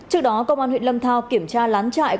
trước đó công an huyện lâm thao kiểm tra lán trại